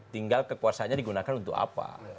tinggal kekuasaannya digunakan untuk apa